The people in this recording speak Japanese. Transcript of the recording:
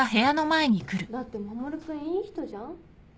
・だって守君いい人じゃん。